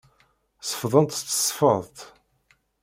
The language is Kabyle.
Sefḍent s tesfeḍt.